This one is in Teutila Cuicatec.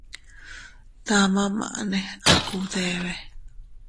Tama maʼne a kubdebe.